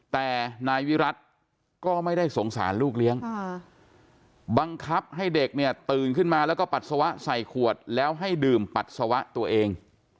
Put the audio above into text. แต่นายวิรัติก็ไม่ได้สงสารลูกเลี้ยงบังคับให้เด็กเนี่ยตื่นขึ้นมาแล้วก็ปัสสาวะใส่ขวดแล้วให้ดื่มปัสสาวะตัวเอง